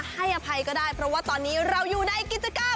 ให้อภัยก็ได้เพราะว่าตอนนี้เราอยู่ในกิจกรรม